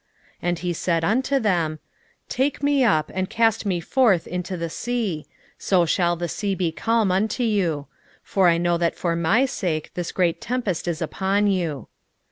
1:12 And he said unto them, Take me up, and cast me forth into the sea; so shall the sea be calm unto you: for I know that for my sake this great tempest is upon you.